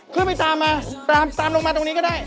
คือไปตามมาตามลงมาตรงนี้ก็ได้